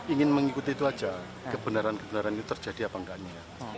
ingin mengikuti itu aja kebenaran kebenaran itu terjadi apa enggaknya